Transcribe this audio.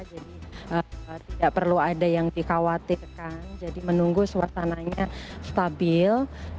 tidak perlu ada yang dikhawatirkan jadi menunggu suasananya stabil